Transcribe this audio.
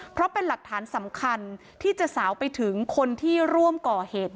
เพราะเป็นหลักฐานสำคัญที่จะสาวไปถึงคนที่ร่วมก่อเหตุ